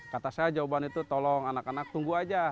kata saya jawaban itu tolong anak anak tunggu aja